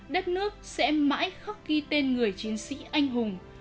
đất nước sẽ mãi khắc ghi tên người chiến sĩ anh hùng